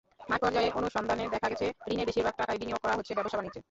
মাঠপর্যায়ে অনুসন্ধানে দেখা গেছে, ঋণের বেশির ভাগ টাকাই বিনিয়োগ করা হচ্ছে ব্যবসা-বাণিজ্যে।